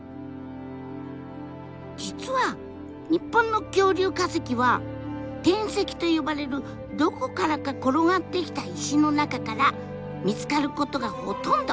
実は日本の恐竜化石は転石と呼ばれるどこからか転がってきた石の中から見つかることがほとんど。